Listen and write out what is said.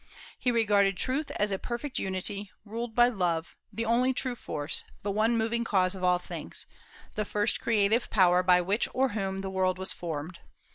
He regarded truth as a perfect unity, ruled by love, the only true force, the one moving cause of all things, the first creative power by which or whom the world was formed.